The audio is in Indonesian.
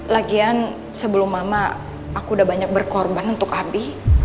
lagi kan sebelum mama aku udah banyak berkorban untuk api